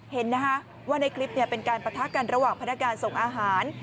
เห็นว่าในคลิปเป็นการปะทะกันระหว่างพนักการส่งอาหาร